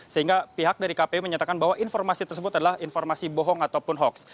sehingga pihak dari kpu menyatakan bahwa informasi tersebut adalah informasi bohong ataupun hoax